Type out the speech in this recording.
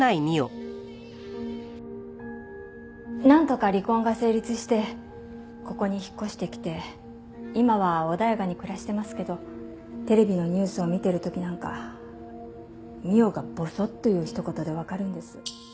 なんとか離婚が成立してここに引っ越してきて今は穏やかに暮らしてますけどテレビのニュースを見てる時なんか未央がぼそっと言う一言でわかるんです。